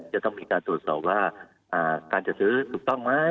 จะต้องมีการตรวจสอบว่าการจัดซื้อถูกต้องไหม